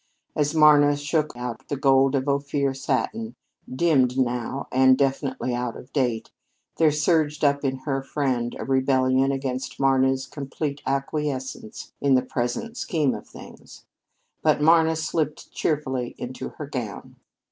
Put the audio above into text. As Marna shook out the gold of ophir satin, dimmed now and definitely out of date, there surged up in her friend a rebellion against Marna's complete acquiescence in the present scheme of things. But Marna slipped cheerfully into her gown.